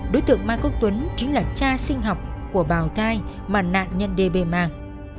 đối tượng mai quốc tuấn chính là cha sinh học của bào thai mà nạn nhân đê bê mang